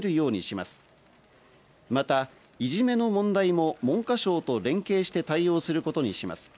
また、いじめの問題も文科省と連携して対応することにします。